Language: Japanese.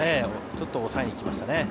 ちょっと抑えにいきましたね。